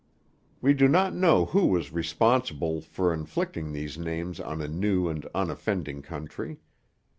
We do not know who was responsible for inflicting these names on a new and unoffending country.